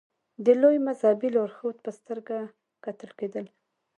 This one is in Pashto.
د لوی مذهبي لارښود په سترګه کتل کېدل.